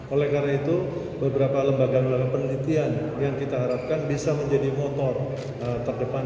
oleh karena itu beberapa lembaga lembaga penelitian yang kita harapkan bisa menjadi motor terdepan